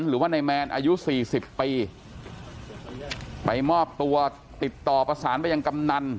หรือว่านายแมนอายุ๔๐ปีไปมอบตัวติดต่อประสานไปจากกำนัน